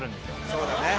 そうだね